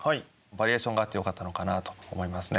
バリエーションがあってよかったのかなと思いますね。